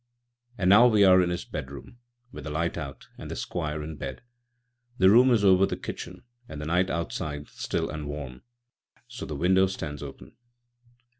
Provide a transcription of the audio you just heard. And now we are in his bedroom, with the light out and the Squire in bed. The room is over the kitchen, and the night outside still and warm, so the window stands open.